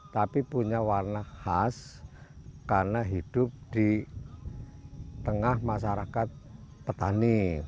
tapi punya warna khas karena hidup di tengah masyarakat petani